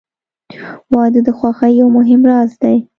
• واده د خوښۍ یو مهم راز دی.